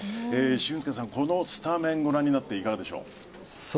俊輔さん、このスタメンをご覧になっていかがでしょう？